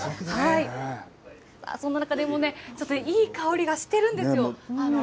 そんな中でもね、ちょっといい香りがしてるんですよ。